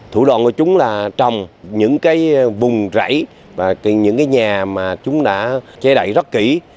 thủ đoàn của chúng là trồng những vùng rẫy và những nhà mà chúng đã che đậy rất kỹ